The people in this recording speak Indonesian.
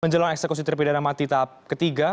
menjelang eksekusi terpidana mati tahap ketiga